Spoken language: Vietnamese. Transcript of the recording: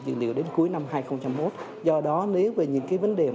dữ liệu đến cuối năm hai nghìn một do đó nếu về những cái vấn đề